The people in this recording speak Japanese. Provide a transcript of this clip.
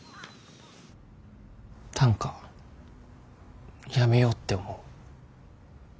短歌やめようって思う。